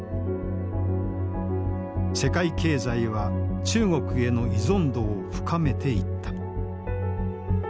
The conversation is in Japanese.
世界経済は中国への依存度を深めていった。